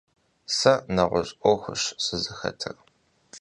Сэ нэгъуэщӏ ӏуэхущ сызыхэтыр.